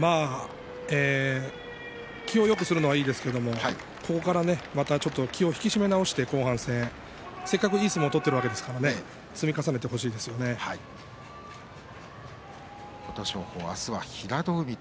気をよくするのはいいですけれどここからまた気を引き締め直して後半戦せっかくいい相撲を取っているわけですから琴勝峰は明日は平戸海と。